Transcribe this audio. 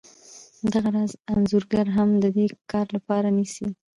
دغه راز انځورګر هم د دې کار لپاره نیسي